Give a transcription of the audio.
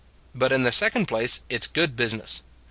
But in the second place it s good business.